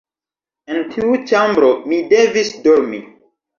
En tiu ĉambro mi devis dormi.